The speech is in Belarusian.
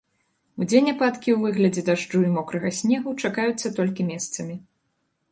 Удзень ападкі ў выглядзе дажджу і мокрага снегу чакаюцца толькі месцамі.